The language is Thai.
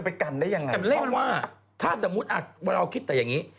แต่เราก็เห็นว่าถ้าสมมติว่าเราคิดแต่แบบยังงี้